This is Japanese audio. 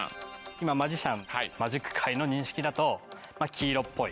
今マジシャンマジック界の認識だとまあ黄色っぽい。